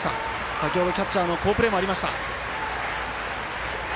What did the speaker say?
先ほどキャッチャーの好プレーもありました。